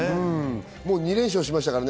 もう２連勝しましたからね。